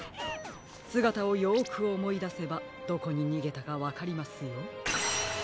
すがたをよくおもいだせばどこににげたかわかりますよ。